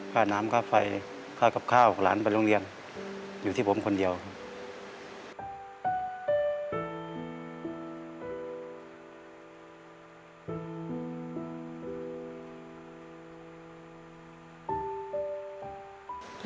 ค่าน้ำค่าไฟค่ากับข้าวของหลานไปโรงเรียนอยู่ที่ผมคนเดียวครับ